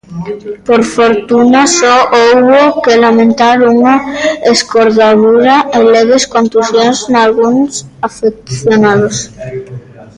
Por fortuna só houbo que lamentar unha escordadura e leves contusións nalgúns afeccionados.